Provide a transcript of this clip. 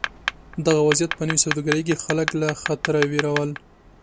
دغه وضعیت په نوې سوداګرۍ کې خلک له خطره وېرول.